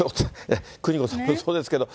邦子さんもそうですけど。